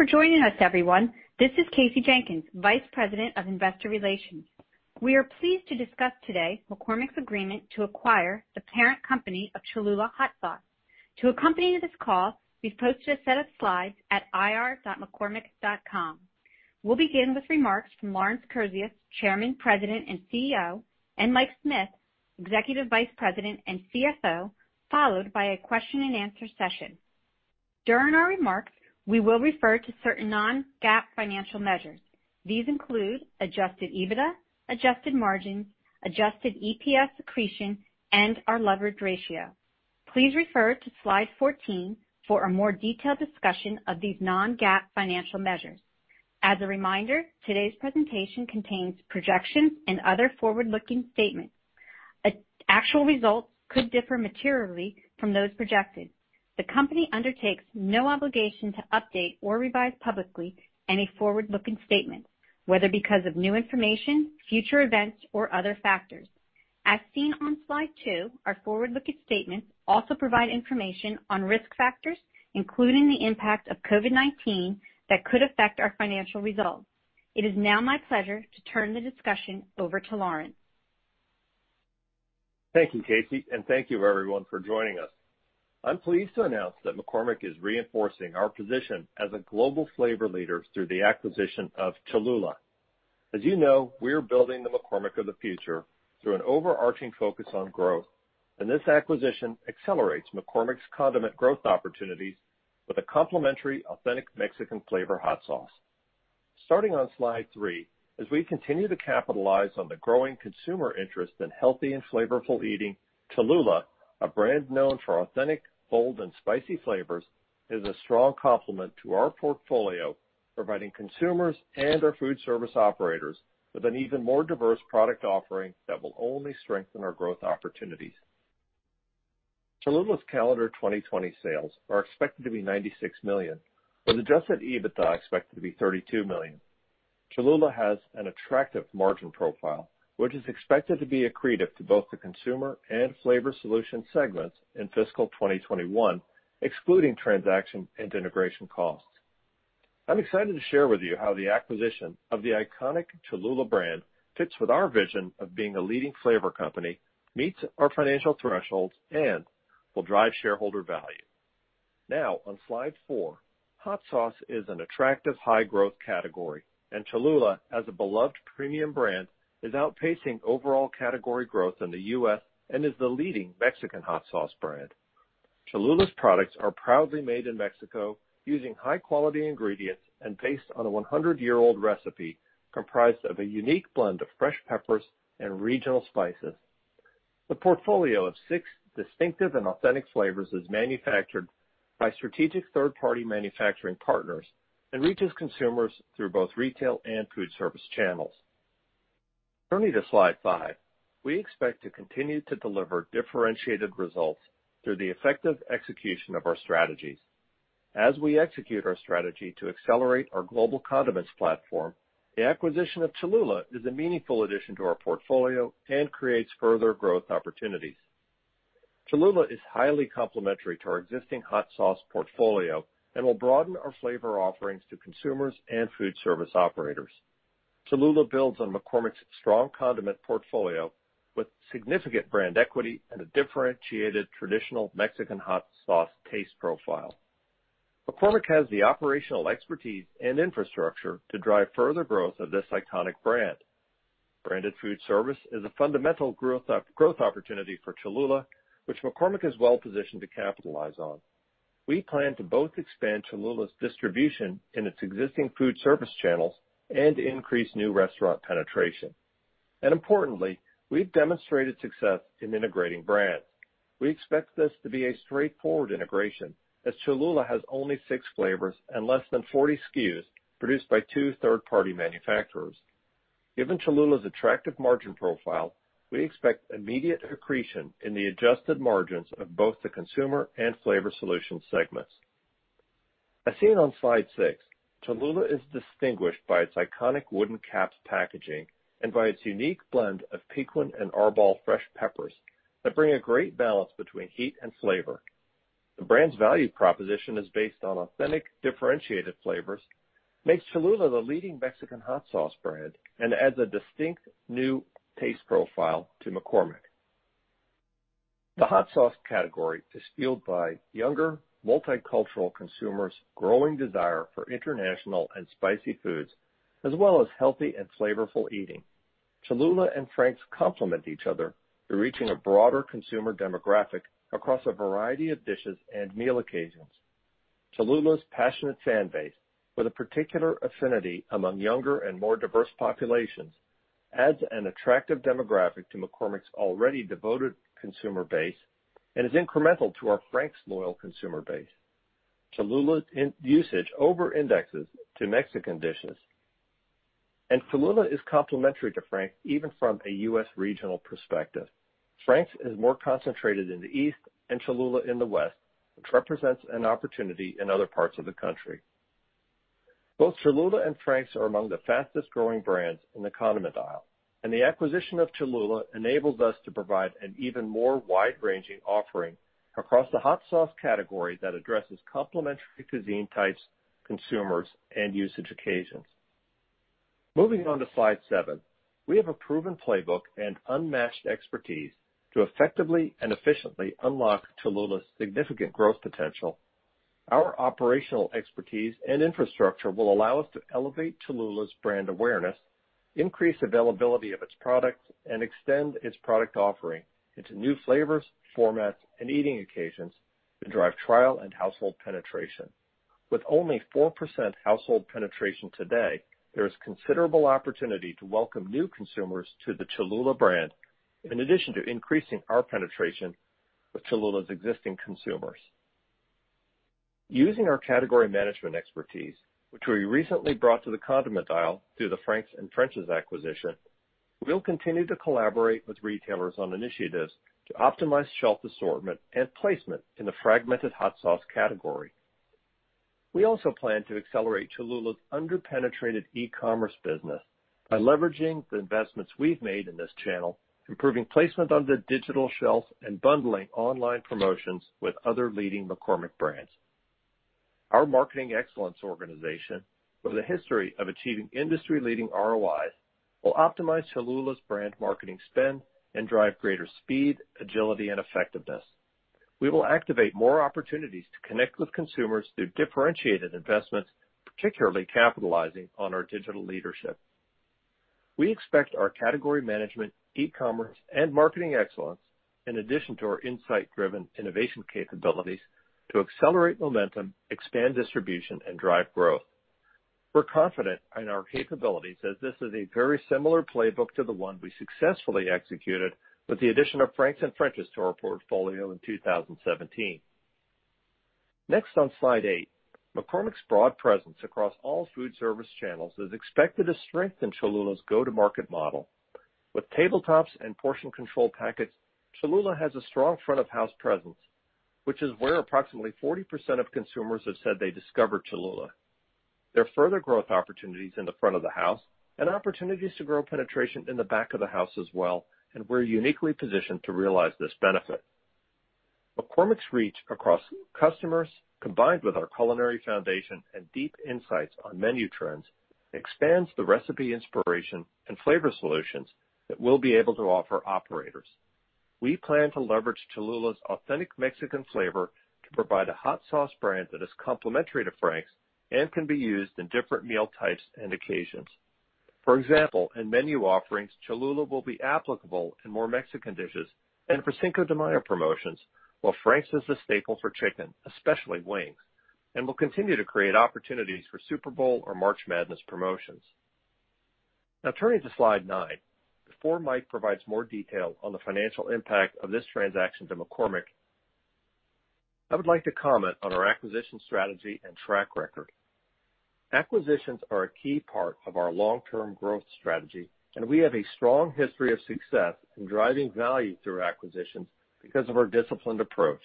Thank you for joining us, everyone. This is Kasey Jenkins, Vice President of Investor Relations. We are pleased to discuss today McCormick's agreement to acquire the parent company of Cholula Hot Sauce. To accompany this call, we've posted a set of slides at ir.mccormick.com. We'll begin with remarks from Lawrence Kurzius, Chairman, President, and CEO, and Mike Smith, Executive Vice President and CFO, followed by a question and answer session. During our remarks, we will refer to certain non-GAAP financial measures. These include adjusted EBITDA, adjusted margins, adjusted EPS accretion, and our leverage ratio. Please refer to Slide 14 for a more detailed discussion of these non-GAAP financial measures. As a reminder, today's presentation contains projections and other forward-looking statements. Actual results could differ materially from those projected. The company undertakes no obligation to update or revise publicly any forward-looking statements, whether because of new information, future events, or other factors. As seen on Slide two, our forward-looking statements also provide information on risk factors, including the impact of COVID-19, that could affect our financial results. It is now my pleasure to turn the discussion over to Lawrence. Thank you, Kasey, and thank you, everyone, for joining us. I'm pleased to announce that McCormick is reinforcing our position as a global flavor leader through the acquisition of Cholula. As you know, we are building the McCormick of the future through an overarching focus on growth. This acquisition accelerates McCormick's condiment growth opportunities with a complementary authentic Mexican flavor hot sauce. Starting on Slide three, as we continue to capitalize on the growing consumer interest in healthy and flavorful eating, Cholula, a brand known for authentic, bold, and spicy flavors, is a strong complement to our portfolio, providing consumers and our food service operators with an even more diverse product offering that will only strengthen our growth opportunities. Cholula's calendar 2020 sales are expected to be $96 million, with adjusted EBITDA expected to be $32 million. Cholula has an attractive margin profile, which is expected to be accretive to both the consumer and flavor solution segments in fiscal 2021, excluding transaction and integration costs. I'm excited to share with you how the acquisition of the iconic Cholula brand fits with our vision of being a leading flavor company, meets our financial thresholds, and will drive shareholder value. Now, on Slide four, hot sauce is an attractive high growth category, and Cholula, as a beloved premium brand, is outpacing overall category growth in the U.S. and is the leading Mexican hot sauce brand. Cholula's products are proudly made in Mexico using high-quality ingredients and based on a 100 year old recipe comprised of a unique blend of fresh peppers and regional spices. The portfolio of six distinctive and authentic flavors is manufactured by strategic third-party manufacturing partners and reaches consumers through both retail and food service channels. Turning to Slide five, we expect to continue to deliver differentiated results through the effective execution of our strategies. As we execute our strategy to accelerate our global condiments platform, the acquisition of Cholula is a meaningful addition to our portfolio and creates further growth opportunities. Cholula is highly complementary to our existing hot sauce portfolio and will broaden our flavor offerings to consumers and food service operators. Cholula builds on McCormick's strong condiment portfolio with significant brand equity and a differentiated traditional Mexican hot sauce taste profile. McCormick has the operational expertise and infrastructure to drive further growth of this iconic brand. Branded food service is a fundamental growth opportunity for Cholula, which McCormick is well positioned to capitalize on. We plan to both expand Cholula's distribution in its existing food service channels and increase new restaurant penetration. Importantly, we've demonstrated success in integrating brands. We expect this to be a straightforward integration, as Cholula has only six flavors and less than 40 SKUs produced by two third-party manufacturers. Given Cholula's attractive margin profile, we expect immediate accretion in the adjusted margins of both the consumer and flavor solutions segments. As seen on Slide six, Cholula is distinguished by its iconic wooden caps packaging and by its unique blend of pequin and arbol fresh peppers that bring a great balance between heat and flavor. The brand's value proposition is based on authentic, differentiated flavors, makes Cholula the leading Mexican hot sauce brand, and adds a distinct new taste profile to McCormick. The hot sauce category is fueled by younger, multicultural consumers' growing desire for international and spicy foods, as well as healthy and flavorful eating. Cholula and Frank's complement each other through reaching a broader consumer demographic across a variety of dishes and meal occasions. Cholula's passionate fan base, with a particular affinity among younger and more diverse populations, adds an attractive demographic to McCormick's already devoted consumer base and is incremental to our Frank's loyal consumer base. Cholula's usage over-indexes to Mexican dishes, and Cholula is complementary to Frank's, even from a U.S. regional perspective. Frank's is more concentrated in the East, and Cholula in the West, which represents an opportunity in other parts of the country. Both Cholula and Frank's are among the fastest-growing brands in the condiment aisle, and the acquisition of Cholula enables us to provide an even more wide-ranging offering across the hot sauce category that addresses complementary cuisine types, consumers, and usage occasions. Moving on to slide seven. We have a proven playbook and unmatched expertise to effectively and efficiently unlock Cholula's significant growth potential. Our operational expertise and infrastructure will allow us to elevate Cholula's brand awareness, increase availability of its products, and extend its product offering into new flavors, formats, and eating occasions to drive trial and household penetration. With only 4% household penetration today, there is considerable opportunity to welcome new consumers to the Cholula brand, in addition to increasing our penetration with Cholula's existing consumers. Using our category management expertise, which we recently brought to the condiment aisle through the Frank's and French's acquisition, we'll continue to collaborate with retailers on initiatives to optimize shelf assortment and placement in the fragmented hot sauce category. We also plan to accelerate Cholula's under-penetrated e-commerce business by leveraging the investments we've made in this channel, improving placement on the digital shelf, and bundling online promotions with other leading McCormick brands. Our marketing excellence organization, with a history of achieving industry leading ROIs, will optimize Cholula's brand marketing spend and drive greater speed, agility, and effectiveness. We will activate more opportunities to connect with consumers through differentiated investments, particularly capitalizing on our digital leadership. We expect our category management, e-commerce, and marketing excellence, in addition to our insight-driven innovation capabilities, to accelerate momentum, expand distribution, and drive growth. We're confident in our capabilities, as this is a very similar playbook to the one we successfully executed with the addition of Frank's and French's to our portfolio in 2017. Next, on slide eight, McCormick's broad presence across all food service channels is expected to strengthen Cholula's go-to-market model. With tabletops and portion control packets, Cholula has a strong front of house presence, which is where approximately 40% of consumers have said they discovered Cholula. There are further growth opportunities in the front of the house and opportunities to grow penetration in the back of the house as well. We're uniquely positioned to realize this benefit. McCormick's reach across customers, combined with our culinary foundation and deep insights on menu trends, expands the recipe inspiration and flavor solutions that we'll be able to offer operators. We plan to leverage Cholula's authentic Mexican flavor to provide a hot sauce brand that is complementary to Frank's and can be used in different meal types and occasions. For example, in menu offerings, Cholula will be applicable in more Mexican dishes and for Cinco de Mayo promotions, while Frank's is the staple for chicken, especially wings, and will continue to create opportunities for Super Bowl or March Madness promotions. Turning to slide nine. Before Mike provides more detail on the financial impact of this transaction to McCormick, I would like to comment on our acquisition strategy and track record. Acquisitions are a key part of our long-term growth strategy, and we have a strong history of success in driving value through acquisitions because of our disciplined approach.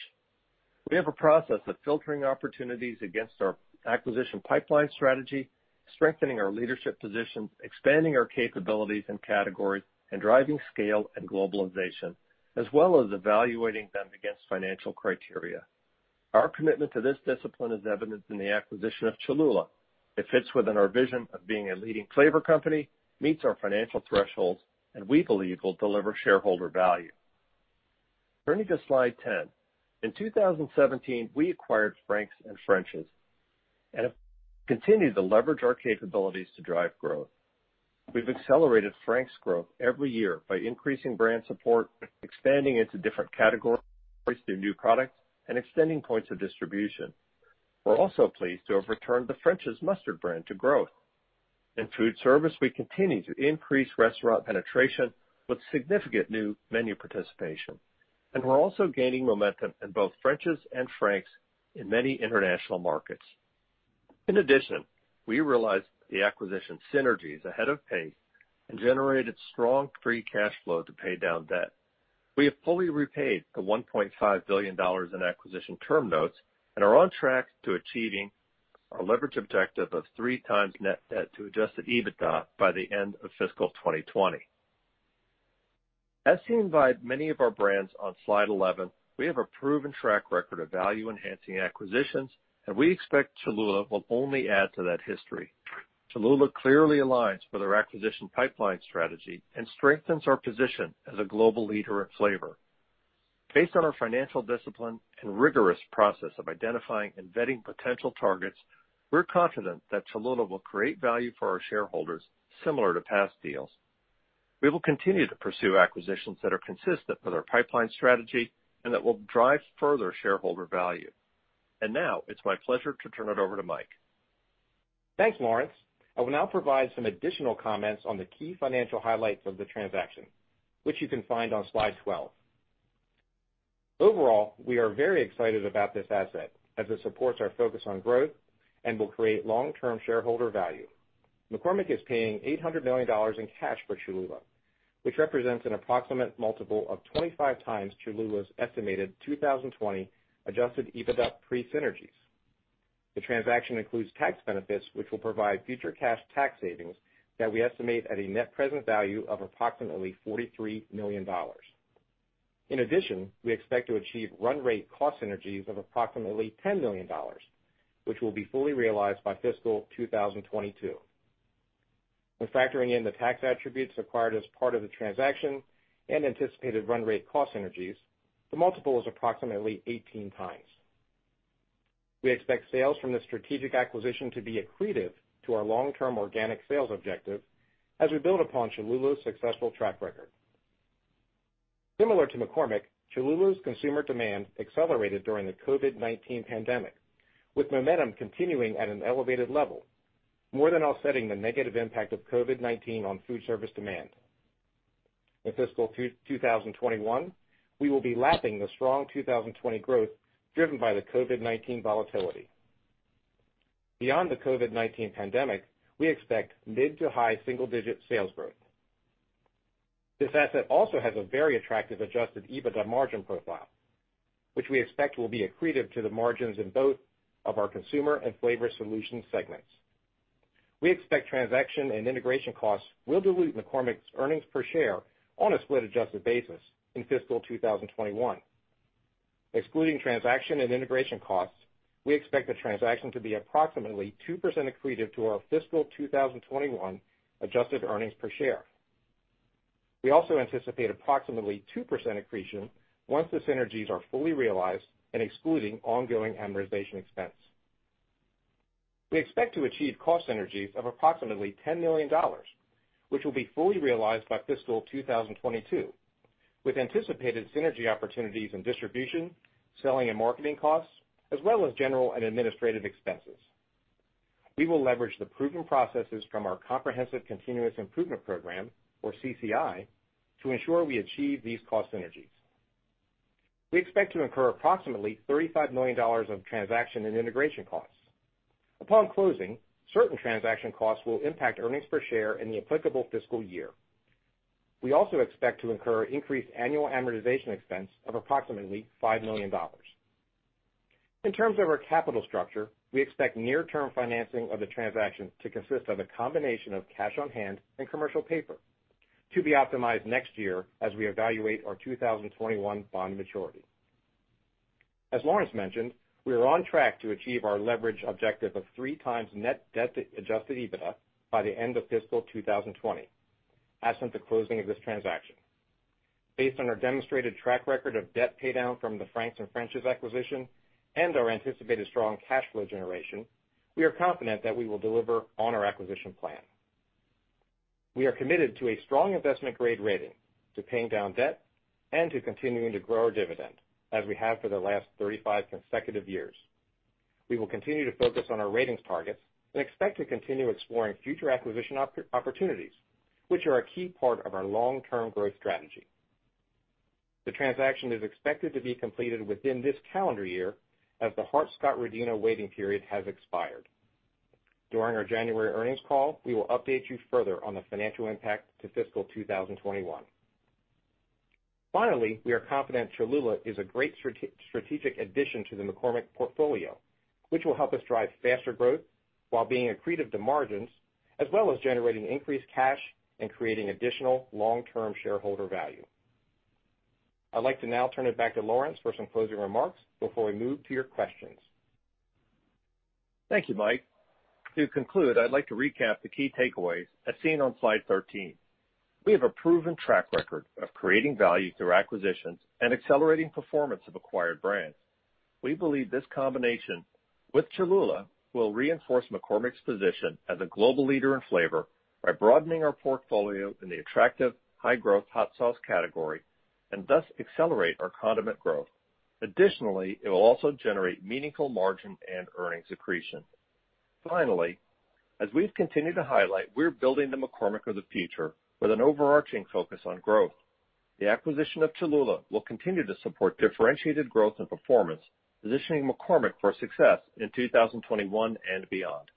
We have a process of filtering opportunities against our acquisition pipeline strategy, strengthening our leadership position, expanding our capabilities and categories, and driving scale and globalization, as well as evaluating them against financial criteria. Our commitment to this discipline is evidenced in the acquisition of Cholula. It fits within our vision of being a leading flavor company, meets our financial thresholds, and we believe will deliver shareholder value. Turning to slide 10. In 2017, we acquired Frank's and French's and have continued to leverage our capabilities to drive growth. We've accelerated Frank's growth every year by increasing brand support, expanding into different categories through new products, and extending points of distribution. We're also pleased to have returned the French's Mustard brand to growth. In food service, we continue to increase restaurant penetration with significant new menu participation. We're also gaining momentum in both French's and Frank's in many international markets. In addition, we realized the acquisition synergies ahead of pace and generated strong free cash flow to pay down debt. We have fully repaid the $1.5 billion in acquisition term notes and are on track to achieving our leverage objective of 3x net debt to adjusted EBITDA by the end of fiscal 2020. As seen by many of our brands on slide 11, we have a proven track record of value-enhancing acquisitions, and we expect Cholula will only add to that history. Cholula clearly aligns with our acquisition pipeline strategy and strengthens our position as a global leader in flavor. Based on our financial discipline and rigorous process of identifying and vetting potential targets, we're confident that Cholula will create value for our shareholders similar to past deals. We will continue to pursue acquisitions that are consistent with our pipeline strategy and that will drive further shareholder value. Now it's my pleasure to turn it over to Mike. Thanks, Lawrence. I will now provide some additional comments on the key financial highlights of the transaction, which you can find on slide 12. Overall, we are very excited about this asset, as it supports our focus on growth and will create long-term shareholder value. McCormick is paying $800 million in cash for Cholula, which represents an approximate multiple of 25x Cholula's estimated 2020 adjusted EBITDA pre-synergies. The transaction includes tax benefits, which will provide future cash tax savings that we estimate at a net present value of approximately $43 million. In addition, we expect to achieve run rate cost synergies of approximately $10 million, which will be fully realized by fiscal 2022. When factoring in the tax attributes acquired as part of the transaction and anticipated run rate cost synergies, the multiple is approximately 18x. We expect sales from this strategic acquisition to be accretive to our long-term organic sales objective as we build upon Cholula's successful track record. Similar to McCormick, Cholula's consumer demand accelerated during the COVID-19 pandemic, with momentum continuing at an elevated level, more than offsetting the negative impact of COVID-19 on food service demand. In fiscal 2021, we will be lapping the strong 2020 growth driven by the COVID-19 volatility. Beyond the COVID-19 pandemic, we expect mid to high single-digit sales growth. This asset also has a very attractive adjusted EBITDA margin profile, which we expect will be accretive to the margins in both of our consumer and flavor solutions segments. We expect transaction and integration costs will dilute McCormick's earnings per share on a split adjusted basis in fiscal 2021. Excluding transaction and integration costs, we expect the transaction to be approximately 2% accretive to our fiscal 2021 adjusted earnings per share. We also anticipate approximately 2% accretion once the synergies are fully realized and excluding ongoing amortization expense. We expect to achieve cost synergies of approximately $10 million, which will be fully realized by fiscal 2022, with anticipated synergy opportunities in distribution, selling and marketing costs, as well as general and administrative expenses. We will leverage the proven processes from our Comprehensive Continuous Improvement program, or CCI, to ensure we achieve these cost synergies. We expect to incur approximately $35 million of transaction and integration costs. Upon closing, certain transaction costs will impact earnings per share in the applicable fiscal year. We also expect to incur increased annual amortization expense of approximately $5 million. In terms of our capital structure, we expect near term financing of the transaction to consist of a combination of cash on hand and commercial paper to be optimized next year as we evaluate our 2021 bond maturity. As Lawrence mentioned, we are on track to achieve our leverage objective of three times net debt to adjusted EBITDA by the end of fiscal 2020, absent the closing of this transaction. Based on our demonstrated track record of debt paydown from the Frank's and French's acquisition and our anticipated strong cash flow generation, we are confident that we will deliver on our acquisition plan. We are committed to a strong investment-grade rating, to paying down debt, and to continuing to grow our dividend as we have for the last 35 consecutive years. We will continue to focus on our ratings targets and expect to continue exploring future acquisition opportunities, which are a key part of our long-term growth strategy. The transaction is expected to be completed within this calendar year as the Hart-Scott-Rodino waiting period has expired. During our January earnings call, we will update you further on the financial impact to fiscal 2021. Finally, we are confident Cholula is a great strategic addition to the McCormick portfolio, which will help us drive faster growth while being accretive to margins, as well as generating increased cash and creating additional long-term shareholder value. I'd like to now turn it back to Lawrence for some closing remarks before we move to your questions. Thank you, Mike. To conclude, I'd like to recap the key takeaways as seen on slide 13. We have a proven track record of creating value through acquisitions and accelerating performance of acquired brands. We believe this combination with Cholula will reinforce McCormick's position as a global leader in flavor by broadening our portfolio in the attractive high growth hot sauce category and thus accelerate our condiment growth. Additionally, it will also generate meaningful margin and earnings accretion. Finally, as we've continued to highlight, we're building the McCormick of the future with an overarching focus on growth. The acquisition of Cholula will continue to support differentiated growth and performance, positioning McCormick for success in 2021 and beyond.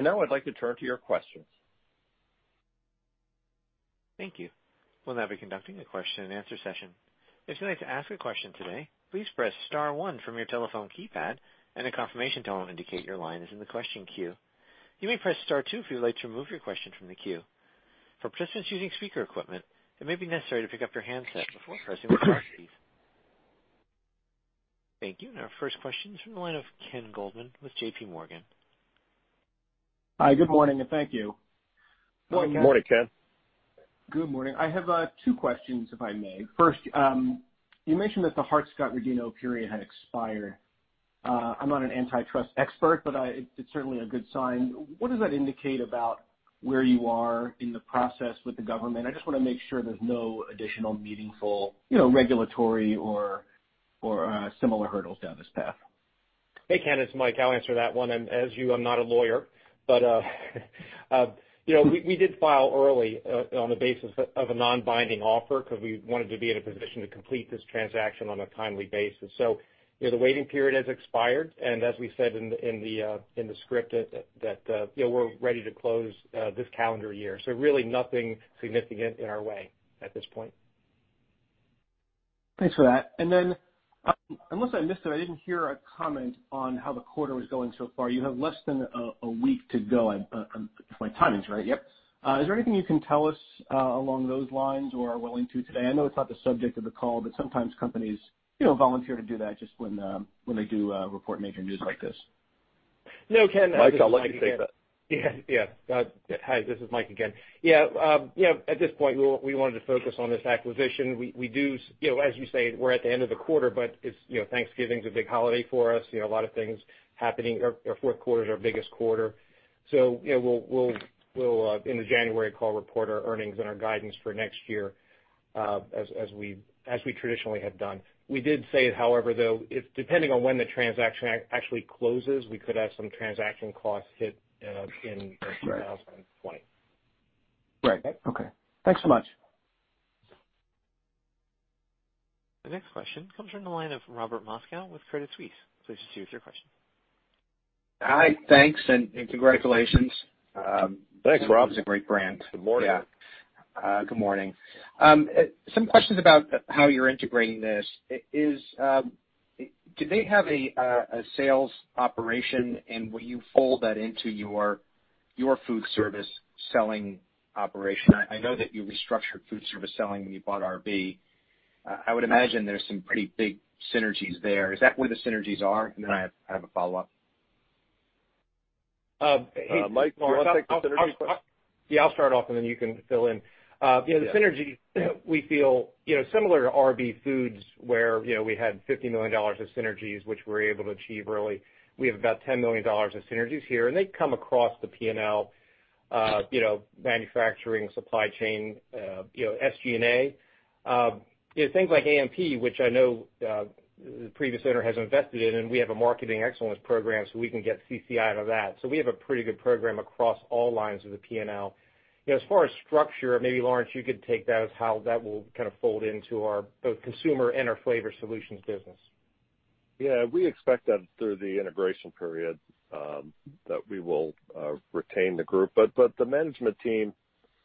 Now I'd like to turn to your questions. Thank you. We'll now be conducting a question and answer session. If you'd like to ask question today, please press star one from your telephone keypad and a confirmation tone will indicate your line is in the question queue. You may press star two, if you'd like to remove your question from the queue. If you're testing using speaker equipment, it may be necessary to pick up your handset before pressing the question key. Thank you. Our first question is from the line of Ken Goldman with JPMorgan. Hi, good morning, and thank you. Good morning, Ken. Good morning. I have two questions, if I may. First, you mentioned that the Hart-Scott-Rodino period had expired. I'm not an antitrust expert, but it's certainly a good sign. What does that indicate about where you are in the process with the government? I just want to make sure there's no additional meaningful regulatory or similar hurdles down this path. Hey, Ken. It's Mike. I'll answer that one. I'm not a lawyer, but we did file early on the basis of a non-binding offer because we wanted to be in a position to complete this transaction on a timely basis. The waiting period has expired, and as we said in the script, that we're ready to close this calendar year. Really nothing significant in our way at this point. Thanks for that. Unless I missed it, I didn't hear a comment on how the quarter was going so far. You have less than a week to go, if my timing's right. Yep. Is there anything you can tell us along those lines or are willing to today? I know it's not the subject of the call, sometimes companies volunteer to do that just when they do report major news like this. No, Ken. Mike, I'll let you take that. Hi, this is Mike again. At this point, we wanted to focus on this acquisition. As you say, we're at the end of the quarter, but Thanksgiving's a big holiday for us, a lot of things happening. Our fourth quarter is our biggest quarter. We'll, in the January call, report our earnings and our guidance for next year, as we traditionally have done. We did say, however, though, depending on when the transaction actually closes, we could have some transaction costs hit in 2020. Right. Okay. Thanks so much. The next question comes from the line of Robert Moskow with Credit Suisse. Please proceed with your question. Hi. Thanks and congratulations. Thanks, Rob. It's a great brand. Good morning. Yeah. Good morning. Some questions about how you're integrating this. Do they have a sales operation, and will you fold that into your food service selling operation? I know that you restructured food service selling when you bought RB. I would imagine there's some pretty big synergies there. Is that where the synergies are? Then I have a follow-up. Mike, do you want to take the synergy question? Yeah, I'll start off and then you can fill in. Yeah. The synergy we feel, similar to RB Foods where we had $50 million of synergies which we're able to achieve early, we have about $10 million of synergies here, and they come across the P&L, manufacturing, supply chain, SG&A. Things like A&P, which I know the previous owner has invested in, and we have a marketing excellence program so we can get CCI out of that. We have a pretty good program across all lines of the P&L. As far as structure, maybe Lawrence, you could take that as how that will kind of fold into our both consumer and our flavor solutions business. We expect that through the integration period that we will retain the group. The management team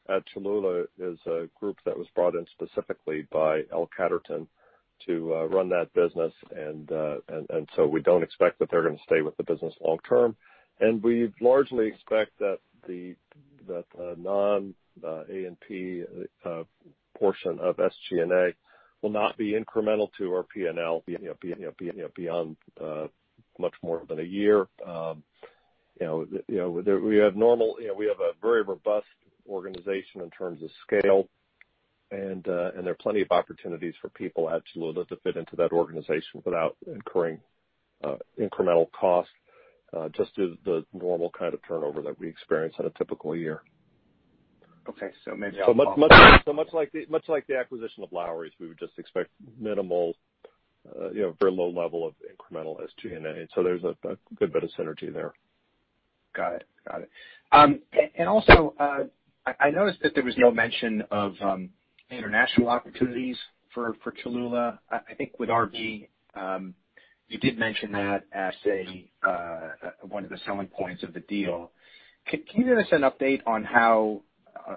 at Cholula is a group that was brought in specifically by L Catterton to run that business, and so we don't expect that they're gonna stay with the business long term. We largely expect that the non-A&P portion of SG&A will not be incremental to our P&L beyond much more than a year. We have a very robust organization in terms of scale, and there are plenty of opportunities for people at Cholula to fit into that organization without incurring incremental cost, just as the normal kind of turnover that we experience in a typical year. Okay, maybe I'll follow up. Much like the acquisition of Lawry's, we would just expect minimal, very low level of incremental SG&A. There's a good bit of synergy there. Got it. Also, I noticed that there was no mention of international opportunities for Cholula. I think with RB, you did mention that as one of the selling points of the deal. Can you give us an update on how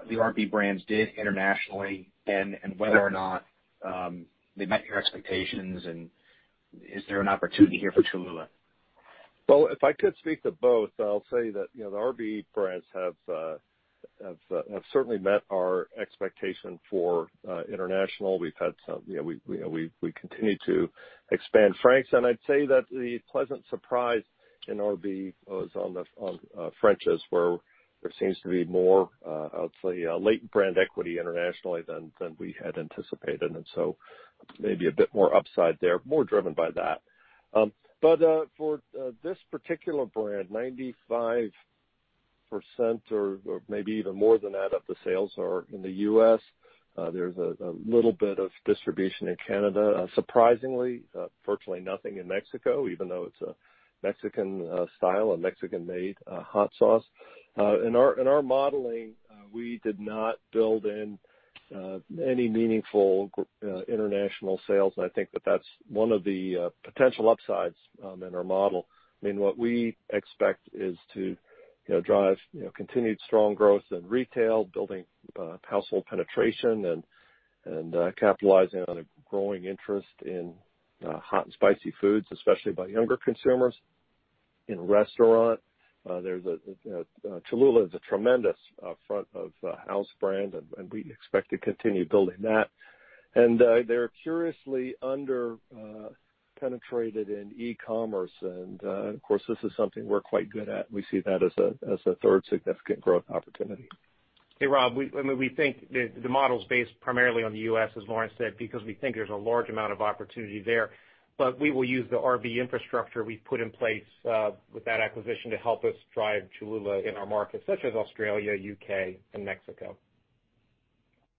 the RB brands did internationally and whether or not they met your expectations and is there an opportunity here for Cholula? Well, if I could speak to both, I'll say that the RB brands have certainly met our expectation for international. We continue to expand Frank's, and I'd say that the pleasant surprise in RB was on French's, where there seems to be more, I'll say, latent brand equity internationally than we had anticipated, and so maybe a bit more upside there, more driven by that. For this particular brand, 95% or maybe even more than that of the sales are in the U.S. There's a little bit of distribution in Canada. Surprisingly, virtually nothing in Mexico, even though it's a Mexican style, a Mexican made hot sauce. In our modeling, we did not build in any meaningful international sales, and I think that that's one of the potential upsides in our model. What we expect is to drive continued strong growth in retail, building household penetration, and capitalizing on a growing interest in hot and spicy foods, especially by younger consumers. In restaurant, Cholula is a tremendous front of house brand, and we expect to continue building that. They're curiously under-penetrated in e-commerce and, of course, this is something we're quite good at, and we see that as a third significant growth opportunity. Hey, Rob, we think the model's based primarily on the U.S., as Lawrence said, because we think there's a large amount of opportunity there. We will use the RB infrastructure we've put in place with that acquisition to help us drive Cholula in our markets such as Australia, U.K., and Mexico.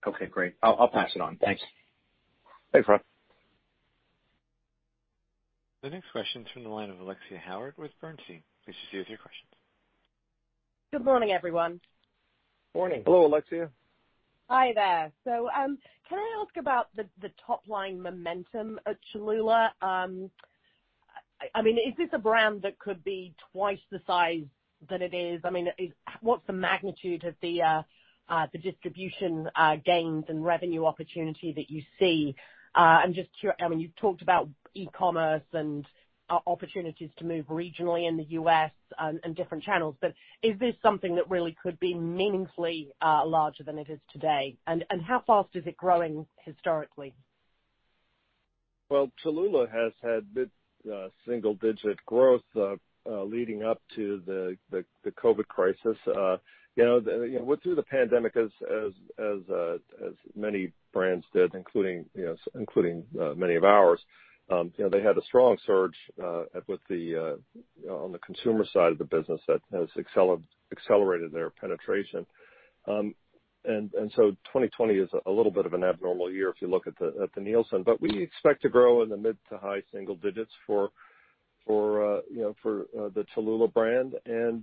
Okay, great. I'll pass it on. Thanks. Thanks, Rob. The next question's from the line of Alexia Howard with Bernstein. Please proceed with your questions. Good morning, everyone. Morning. Hello, Alexia. Hi there. Can I ask about the top-line momentum at Cholula? I mean, is this a brand that could be twice the size that it is? What's the magnitude of the distribution gains and revenue opportunity that you see? I mean, you've talked about e-commerce and opportunities to move regionally in the U.S. and different channels, but is this something that really could be meaningfully larger than it is today? And how fast is it growing historically? Well, Cholula has had mid-single digit growth leading up to the COVID crisis. It went through the pandemic as many brands did, including many of ours. They had a strong surge on the consumer side of the business that has accelerated their penetration. 2020 is a little bit of an abnormal year if you look at the Nielsen. We expect to grow in the mid to high single digits for the Cholula brand and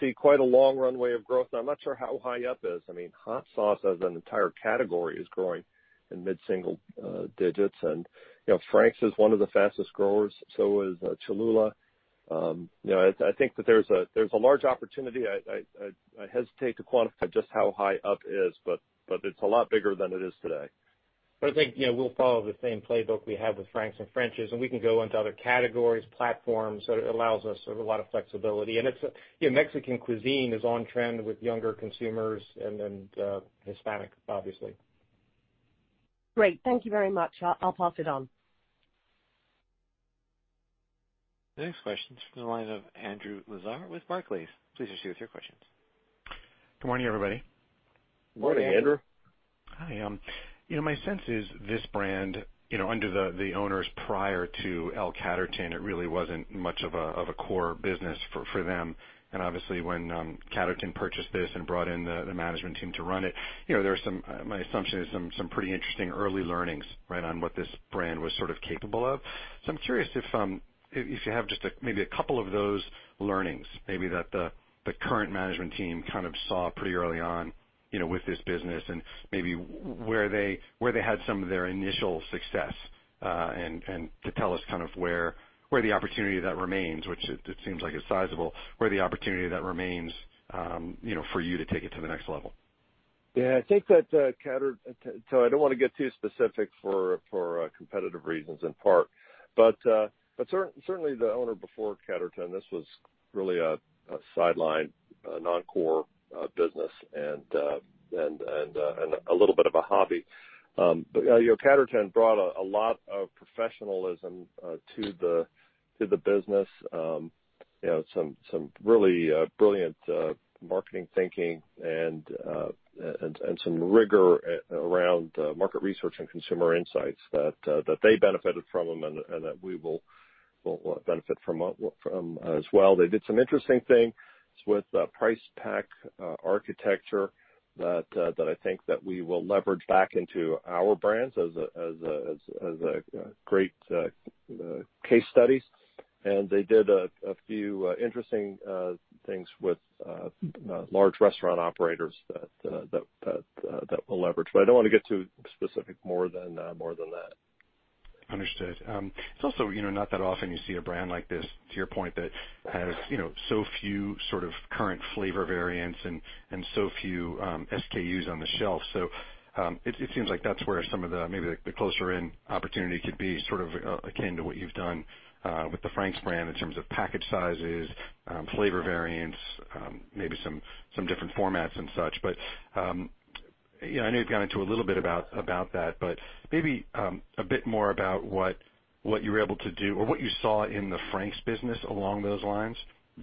see quite a long runway of growth. I'm not sure how high up is. I mean, hot sauce as an entire category is growing in mid-single digits. Frank's is one of the fastest growers, so is Cholula. I think that there's a large opportunity. I hesitate to quantify just how high up is, but it's a lot bigger than it is today. I think we'll follow the same playbook we have with Frank's and French's, and we can go into other categories, platforms. It allows us a lot of flexibility. Mexican cuisine is on trend with younger consumers and Hispanic, obviously. Great. Thank you very much. I'll pass it on. Next question's from the line of Andrew Lazar with Barclays. Please proceed with your questions. Good morning, everybody. Morning, Andrew. Morning. Hi. My sense is this brand under the owners prior to L Catterton, it really wasn't much of a core business for them. Obviously, when Catterton purchased this and brought in the management team to run it, my assumption is some pretty interesting early learnings on what this brand was sort of capable of. I'm curious if you have just maybe a couple of those learnings, maybe that the current management team kind of saw pretty early on with this business and maybe where they had some of their initial success, and to tell us kind of where the opportunity that remains, which it seems like it's sizable, where the opportunity that remains for you to take it to the next level. I think that Catterton, so I don't want to get too specific for competitive reasons, in part, but certainly the owner before Catterton, this was really a sideline non-core business and a little bit of a hobby. Catterton brought a lot of professionalism to the business. Some really brilliant marketing thinking and some rigor around market research and consumer insights that they benefited from and that we will benefit from as well. They did some interesting things with price pack architecture that I think that we will leverage back into our brands as a great case study. They did a few interesting things with large restaurant operators that we'll leverage. I don't want to get too specific more than that. Understood. It's also not that often you see a brand like this, to your point, that has so few sort of current flavor variants and so few SKUs on the shelf. It seems like that's where some of maybe the closer in opportunity could be sort of akin to what you've done with the Frank's brand in terms of package sizes, flavor variants, maybe some different formats and such. I know you've gone into a little bit about that, but maybe a bit more about what you were able to do or what you saw in the Frank's business along those lines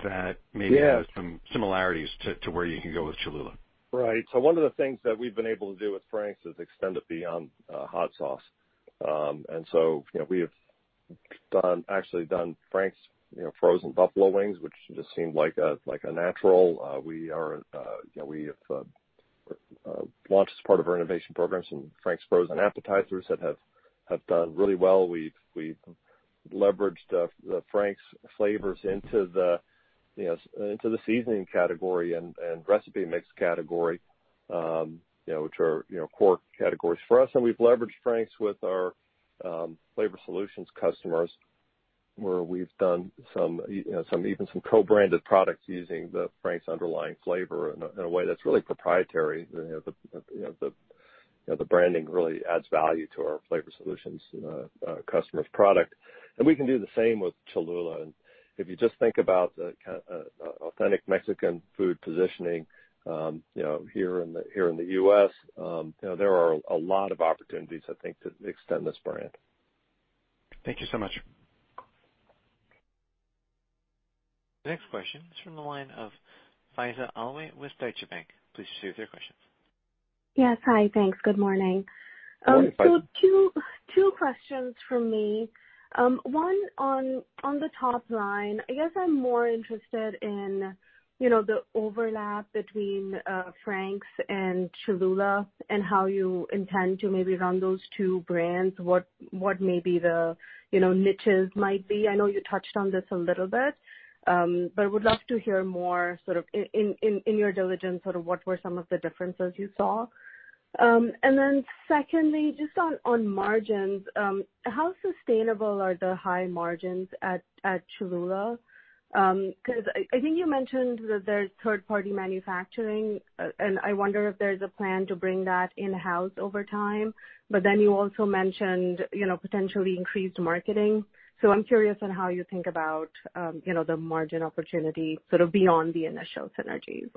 that maybe has some similarities to where you can go with Cholula. Right. One of the things that we've been able to do with Frank's is extend it beyond hot sauce. We have actually done Frank's frozen buffalo wings, which just seemed like a natural. We have launched as part of our innovation programs some Frank's frozen appetizers that have done really well. We've leveraged the Frank's flavors into the seasoning category and recipe mix category, which are core categories for us. We've leveraged Frank's with our flavor solutions customers, where we've done even some co-branded products using the Frank's underlying flavor in a way that's really proprietary. The branding really adds value to our flavor solutions customers' product. We can do the same with Cholula. If you just think about authentic Mexican food positioning here in the U.S., there are a lot of opportunities, I think, to extend this brand. Thank you so much. Next question is from the line of Faiza Alwy with Deutsche Bank. Please proceed with your questions. Yes. Hi. Thanks. Good morning. Morning, Faiza. Two questions from me. One, on the top line. I'm more interested in the overlap between Frank's and Cholula, and how you intend to maybe run those two brands, what maybe the niches might be. I know you touched on this a little bit. Would love to hear more in your diligence, what were some of the differences you saw? Secondly, just on margins. How sustainable are the high margins at Cholula? I think you mentioned that there's third-party manufacturing, and I wonder if there's a plan to bring that in-house over time. You also mentioned potentially increased marketing. I'm curious on how you think about the margin opportunity beyond the initial synergies.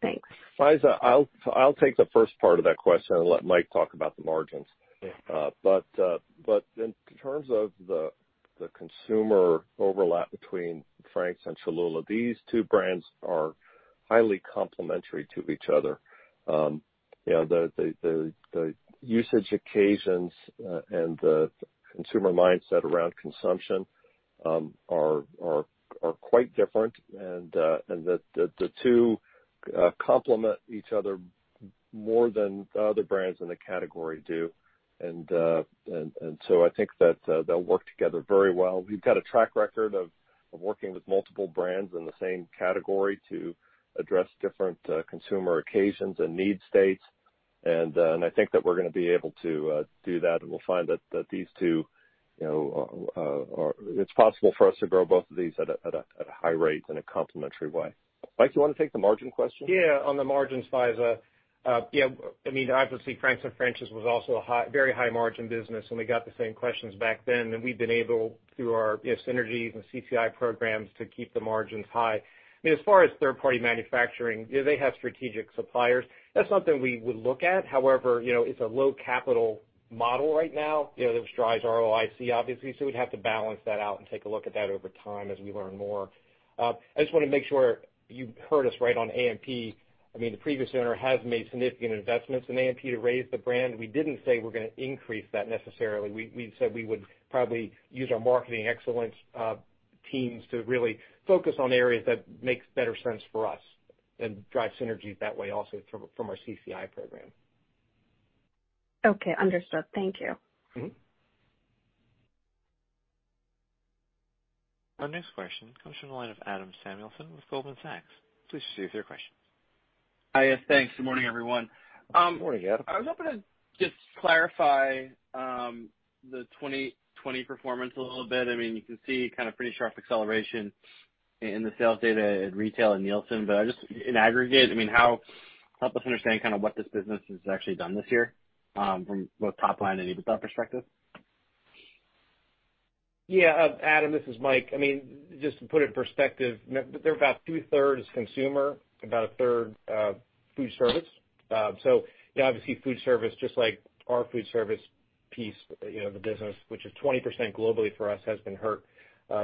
Thanks. Faiza, I'll take the first part of that question and let Mike talk about the margins. Yeah. In terms of the consumer overlap between Frank's and Cholula, these two brands are highly complementary to each other. The usage occasions and the consumer mindset around consumption are quite different and the two complement each other more than the other brands in the category do. I think that they'll work together very well. We've got a track record of working with multiple brands in the same category to address different consumer occasions and need states. I think that we're gonna be able to do that, and we'll find that it's possible for us to grow both of these at a high rate in a complementary way. Mike, you wanna take the margin question? On the margins, Faiza. Obviously, Frank's and French's was also a very high margin business, and we got the same questions back then. We've been able, through our synergies and CCI programs, to keep the margins high. As far as third-party manufacturing, they have strategic suppliers. That's something we would look at. However, it's a low capital model right now, which drives ROIC obviously, so we'd have to balance that out and take a look at that over time as we learn more. I just want to make sure you heard us right on A&P. The previous owner has made significant investments in A&P to raise the brand. We didn't say we're gonna increase that necessarily. We said we would probably use our marketing excellence teams to really focus on areas that makes better sense for us and drive synergies that way also from our CCI program. Okay, understood. Thank you. Our next question comes from the line of Adam Samuelson with Goldman Sachs. Please proceed with your question. Hi, yes. Thanks. Good morning, everyone. Morning, Adam. I was hoping to just clarify the 2020 performance a little bit. You can see pretty sharp acceleration in the sales data at retail and Nielsen. Just in aggregate, help us understand what this business has actually done this year from both top line and EBITDA perspective. Yeah, Adam, this is Mike. Just to put it in perspective, they're about two-thirds consumer, about a third food service. Obviously, food service, just like our food service piece of the business, which is 20% globally for us, has been hurt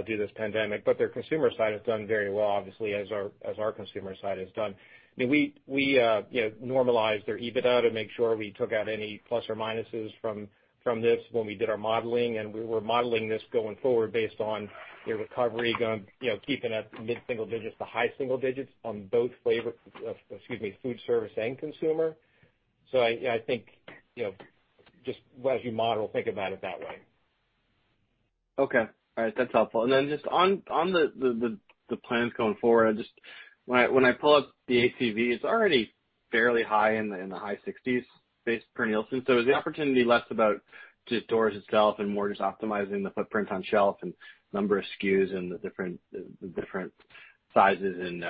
due to this pandemic. Their consumer side has done very well, obviously, as our consumer side has done. We normalized their EBITDA to make sure we took out any plus or minuses from this when we did our modeling. We were modeling this going forward based on their recovery keeping at mid-single digits to high single digits on both flavor, excuse me, food service and consumer. I think, just as you model, think about it that way. Okay. All right. That's helpful. Then just on the plans going forward, when I pull up the ACV, it's already fairly high in the high 60s base per Nielsen. So is the opportunity less about just doors itself and more just optimizing the footprint on shelf and number of SKUs and the different sizes and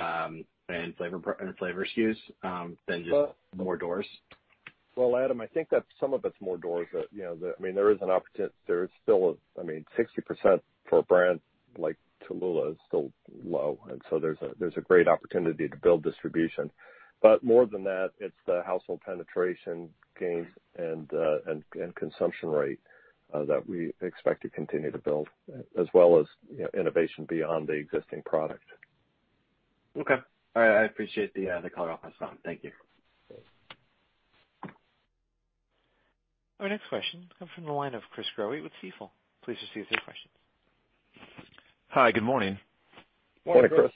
flavor SKUs than just more doors? Adam, I think that some of it's more doors. There is an opportunity. 60% for a brand like Cholula is still low, there's a great opportunity to build distribution. More than that, it's the household penetration gains and consumption rate that we expect to continue to build, as well as innovation beyond the existing product. Okay. All right. I appreciate the color [response]. Thank you. Our next question comes from the line of Chris Graff with T. Rowe. Please proceed with your question. Hi, good morning. Morning, Chris.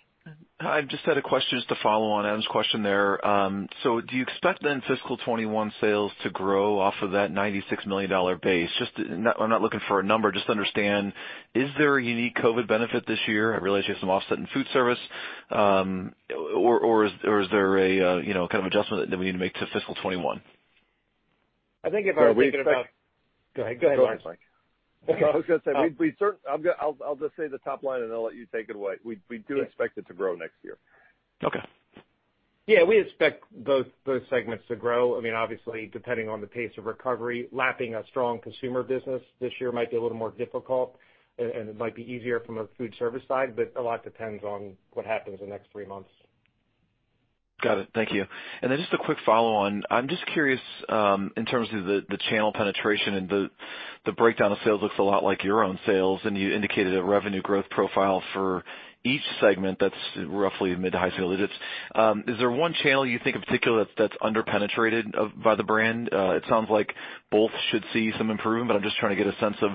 I just had a question just to follow on Adam's question there. Do you expect then fiscal 2021 sales to grow off of that $96 million base? I'm not looking for a number, just to understand, is there a unique COVID benefit this year? I realize you have some offset in food service. Is there a kind of adjustment that we need to make to fiscal 2021? I think if I was thinking about- So we expect- Go ahead, Mike. No I'm fine. I was gonna say, I'll just say the top line and then I'll let you take it away. We do expect it to grow next year. Okay. We expect both segments to grow. Obviously, depending on the pace of recovery, lapping a strong consumer business this year might be a little more difficult, and it might be easier from a food service side, but a lot depends on what happens in the next three months. Got it. Thank you. Just a quick follow-on. I'm just curious, in terms of the channel penetration and the breakdown of sales looks a lot like your own sales, and you indicated a revenue growth profile for each segment that's roughly mid to high single digits. Is there one channel you think in particular that's under-penetrated by the brand? It sounds like both should see some improvement, I'm just trying to get a sense of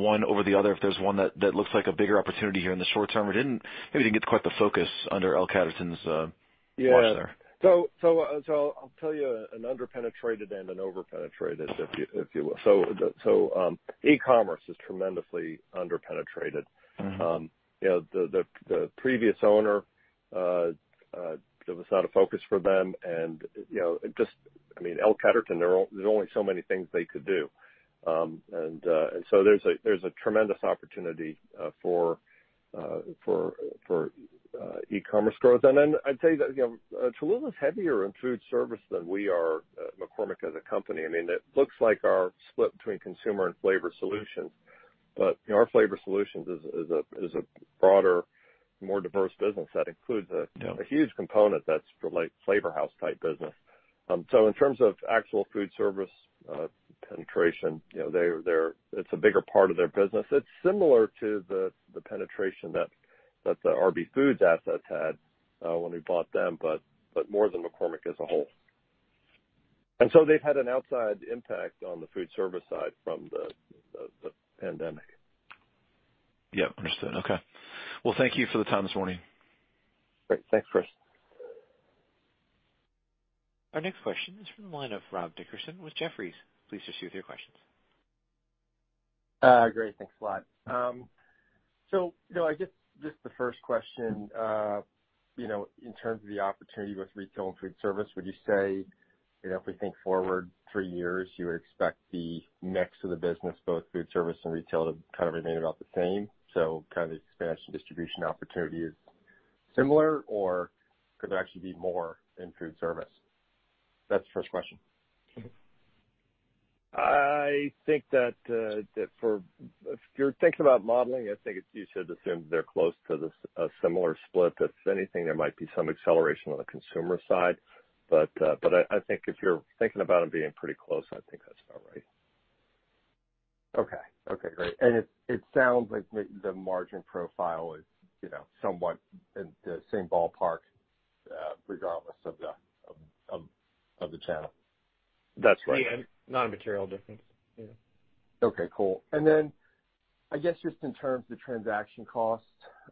one over the other, if there's one that looks like a bigger opportunity here in the short term or maybe didn't get quite the focus under L Catterton's watch there. Yeah. I'll tell you an under-penetrated and an over-penetrated, if you will. E-commerce is tremendously under-penetrated. The previous owner, that was not a focus for them. Just, I mean, L Catterton, there's only so many things they could do. There's a tremendous opportunity for e-commerce growth. I'd tell you that, Cholula is heavier in food service than we are at McCormick as a company. I mean, it looks like our split between consumer and flavor solutions. Our flavor solutions is a broader, more diverse business. Yeah A huge component that's flavor house type business. In terms of actual food service penetration, it's a bigger part of their business. It's similar to the penetration that the RB Foods assets had when we bought them, more than McCormick as a whole. They've had an outside impact on the food service side from the pandemic. Yep, understood. Okay. Well, thank you for the time this morning. Great. Thanks, Chris. Our next question is from the line of Rob Dickerson with Jefferies. Please proceed with your questions. Great. Thanks a lot. I guess just the first question, in terms of the opportunity with retail and food service, would you say, if we think forward three years, you would expect the mix of the business, both food service and retail, to kind of remain about the same? Kind of the expansion distribution opportunity is similar, or could there actually be more in food service? That's the first question. I think that if you're thinking about modeling, I think you should assume they're close to the similar split. If anything, there might be some acceleration on the consumer side. I think if you're thinking about them being pretty close, I think that's about right. Okay. Great. It sounds like the margin profile is somewhat in the same ballpark, regardless of the channel. That's right. Not a material difference. Yeah. Okay, cool. I guess just in terms of the transaction cost,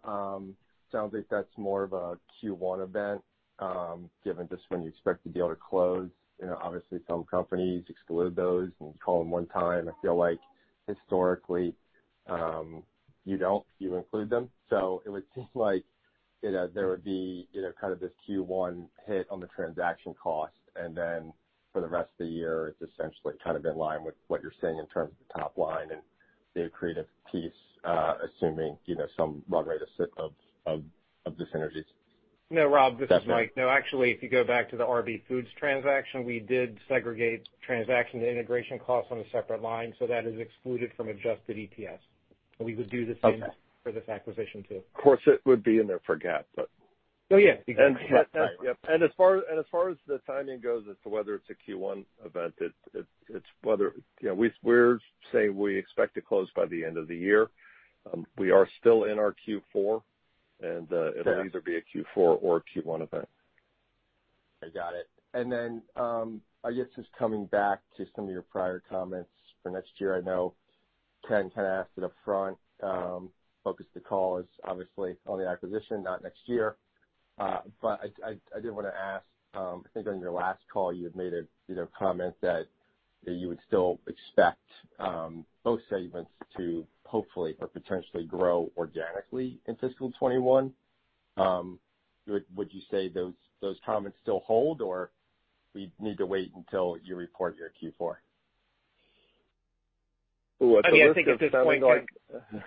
sounds like that's more of a Q1 event, given just when you expect to be able to close. Obviously, some companies exclude those and call them one time. I feel like historically, you don't, you include them. It would seem like there would be either kind of this Q1 hit on the transaction cost, and then for the rest of the year, it's essentially kind of in line with what you're saying in terms of the top line and the accretive piece, assuming some run rate of synergies. No, Rob, this is Mike. No, actually, if you go back to the RB Foods transaction, we did segregate transaction integration costs on a separate line. That is excluded from adjusted EPS. we would do the same. for this acquisition, too. Of course, it would be in there for GAAP, but. Oh, yeah, exactly. As far as the timing goes as to whether it's a Q1 event, we're saying we expect to close by the end of the year. We are still in our Q4, and it'll either be a Q4 or a Q1 event. I got it. I guess just coming back to some of your prior comments for next year. I know Ken kind of asked it up front. Focus of the call is obviously on the acquisition, not next year. I did want to ask, I think on your last call, you had made a comment that you would still expect both segments to hopefully or potentially grow organically in fiscal 2021. Would you say those comments still hold, or we need to wait until you report your Q4? I think at this point- At the risk of sounding like-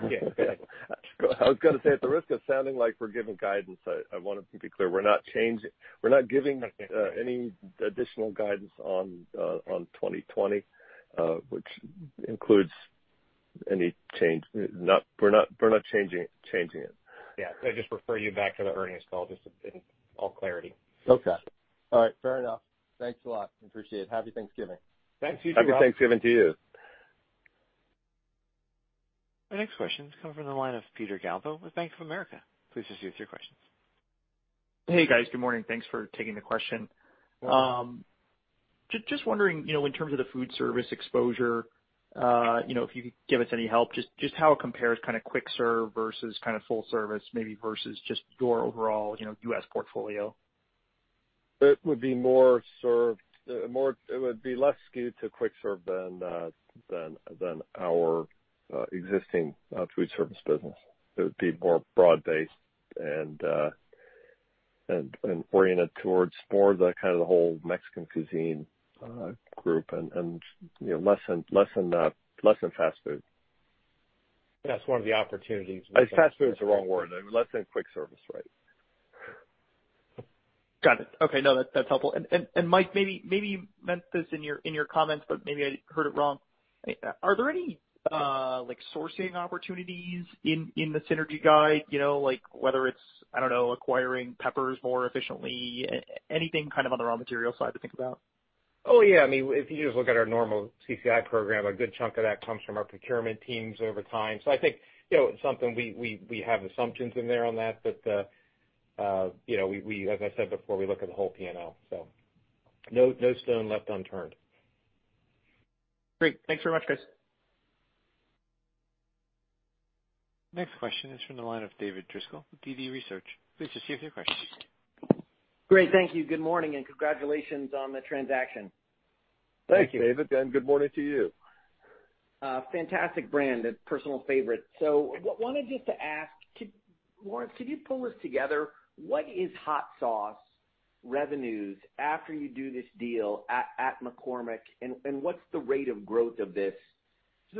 Yeah. I was going to say, at the risk of sounding like we're giving guidance, I want to be clear, we're not giving any additional guidance on 2020, which includes any change. We're not changing it. Yeah. I just refer you back to the earnings call just in all clarity. Okay. All right. Fair enough. Thanks a lot. Appreciate it. Happy Thanksgiving. Thanks to you, Rob. Happy Thanksgiving to you. Our next question is coming from the line of Peter Galbo with Bank of America. Please proceed with your questions. Hey, guys. Good morning. Thanks for taking the question. You're welcome. Just wondering, in terms of the food service exposure, if you could give us any help, just how it compares kind of quick serve versus kind of full service, maybe versus just your overall U.S. portfolio? It would be less skewed to quick serve than our existing food service business. It would be more broad-based and oriented towards more of the kind of the whole Mexican cuisine group and less in fast food. That's one of the opportunities. Fast food is the wrong word. Less than quick service, right. Got it. Okay. No, that's helpful. Mike, maybe you meant this in your comments, but maybe I heard it wrong. Are there any sourcing opportunities in the synergy guide? Like whether it's, I don't know, acquiring peppers more efficiently, anything on the raw material side to think about? Oh, yeah. If you just look at our normal CCI program, a good chunk of that comes from our procurement teams over time. I think it's something we have assumptions in there on that. As I said before, we look at the whole P&L, so no stone left unturned. Great. Thanks very much, guys. Next question is from the line of David Driscoll with DD Research. Please just give your question. Great. Thank you. Good morning, and congratulations on the transaction. Thanks, David, and good morning to you. Fantastic brand. A personal favorite. Wanted just to ask, Lawrence, could you pull this together? What is hot sauce revenues after you do this deal at McCormick and what's the rate of growth of this?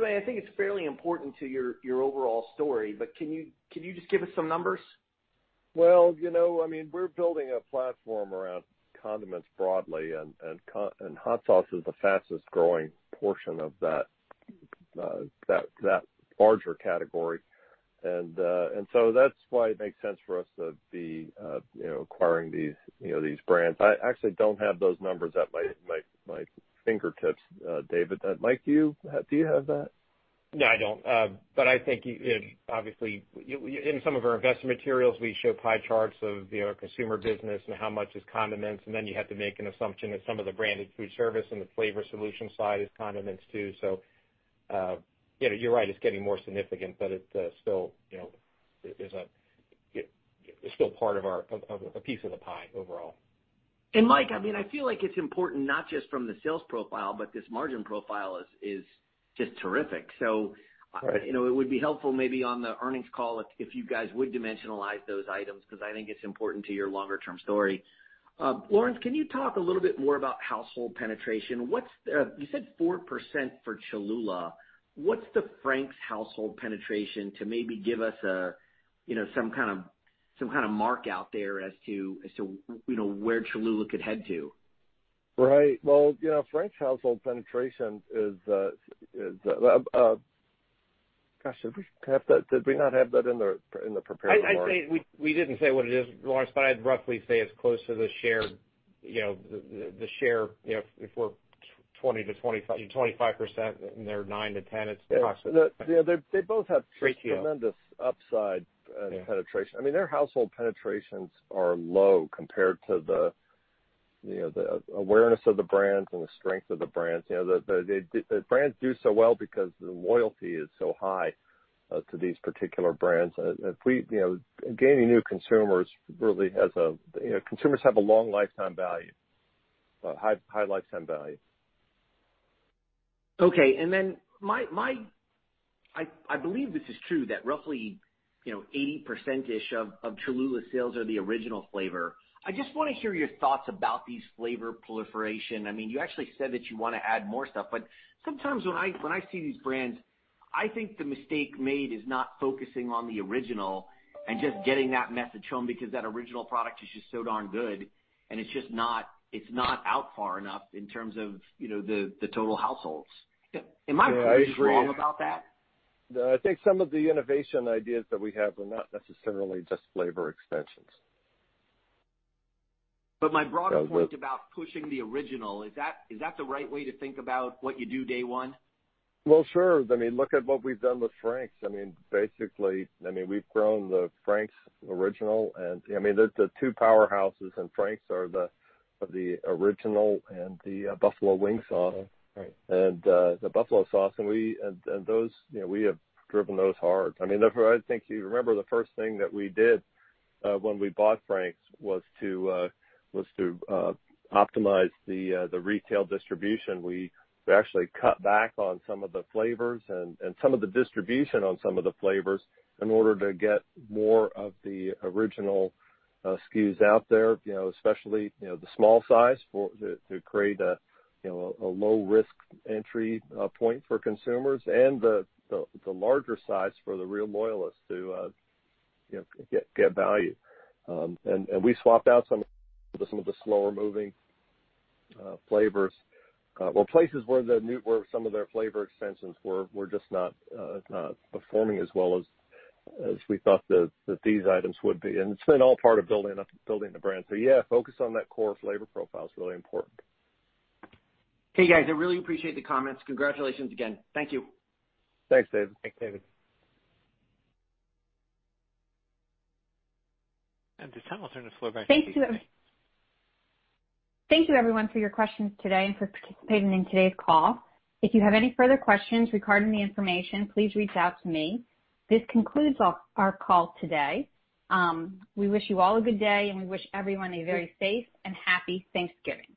I think it's fairly important to your overall story, but can you just give us some numbers? Well, we're building a platform around condiments broadly, and hot sauce is the fastest-growing portion of that larger category. That's why it makes sense for us to be acquiring these brands. I actually don't have those numbers at my fingertips, David. Mike, do you have that? No, I don't. I think, obviously, in some of our investment materials, we show pie charts of the consumer business and how much is condiments, and then you have to make an assumption that some of the branded food service and the flavor solution side is condiments too. You're right, it's getting more significant, but it's still part of a piece of the pie overall. Mike, I feel like it's important not just from the sales profile, but this margin profile is just terrific. Right. It would be helpful maybe on the earnings call if you guys would dimensionalize those items, because I think it's important to your longer-term story. Lawrence, can you talk a little bit more about household penetration? You said 4% for Cholula. What's the Frank's household penetration to maybe give us some kind of mark out there as to where Cholula could head to? Right. Well, Frank's household penetration is, did we not have that in the prepared remarks? I'd say we didn't say what it is, Lawrence, but I'd roughly say it's close to the share, if we're 20%-25% and they're 9%-10%, it's approximately. Yeah. They both have. Pretty close. Tremendous upside penetration. Their household penetrations are low compared to the awareness of the brands and the strength of the brands. The brands do so well because the loyalty is so high to these particular brands. Gaining new consumers really consumers have a long lifetime value, high lifetime value. Okay, I believe this is true, that roughly 80%-ish of Cholula sales are the original flavor. I just want to hear your thoughts about these flavor proliferation. You actually said that you want to add more stuff, sometimes when I see these brands, I think the mistake made is not focusing on the original and just getting that message home because that original product is just so darn good, and it's not out far enough in terms of the total households. Yeah, I agree. just wrong about that? No, I think some of the innovation ideas that we have are not necessarily just flavor extensions. My broader point about pushing the original, is that the right way to think about what you do day one? Well, sure. Look at what we've done with Frank's. Basically, we've grown the Frank's original, and there's the two powerhouses in Frank's are the original and the buffalo wing sauce. Right. The buffalo sauce, and we have driven those hard. I think you remember the first thing that we did when we bought Frank's was to optimize the retail distribution. We actually cut back on some of the flavors and some of the distribution on some of the flavors in order to get more of the original SKUs out there, especially the small size to create a low-risk entry point for consumers and the larger size for the real loyalists to get value. We swapped out some of the slower-moving flavors. Well, places where some of their flavor extensions were just not performing as well as we thought that these items would be, and it's been all part of building the brand. Yeah, focus on that core flavor profile is really important. Okay, guys. I really appreciate the comments. Congratulations again. Thank you. Thanks, David. Thanks, David. At this time, I'll turn the floor back to Kasey. Thank you, everyone, for your questions today and for participating in today's call. If you have any further questions regarding the information, please reach out to me. This concludes our call today. We wish you all a good day, and we wish everyone a very safe and happy Thanksgiving.